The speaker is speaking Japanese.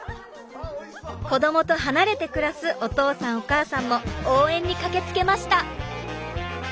子どもと離れて暮らすお父さんお母さんも応援に駆けつけました。